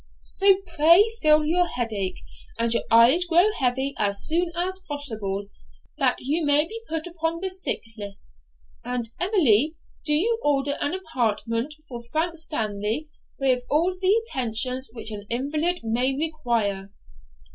So pray feel your head ache and your eyes grow heavy as soon as possible, that you may be put upon the sick list; and, Emily, do you order an apartment for Frank Stanley, with all the attentions which an invalid may require.'